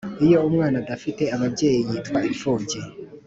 Iyo umwana adafite ababyeyi yitwa ipfubyi